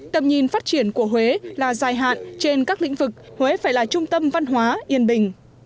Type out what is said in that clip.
tầm nhìn phát triển của huế là dài hạn trên các lĩnh vực huế phải là trung tâm văn hóa yên bình